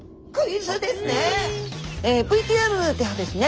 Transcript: ＶＴＲではですね